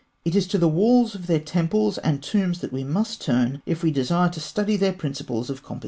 It is to the walls of their temples and tombs that we must turn, if we desire to study their principles of composition.